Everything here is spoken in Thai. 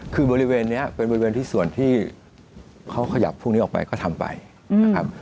คือบริเวณนี้เป็นบริเวณที่ส่วนที่เขาขยับพวกนี้ออกไปก็ทำไปนะครับ